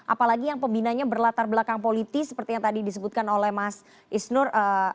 apalagi yang pembinanya berlatar belakang politis seperti yang tadi disebutkan oleh mas isnur